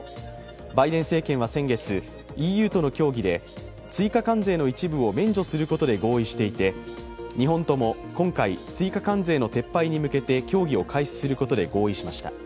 バイデン政権は先月ＥＵとの協議で追加関税の一部を免除することで合意していて、日本とも今回、追加関税の撤廃に向けて協議を開始することで合意しました。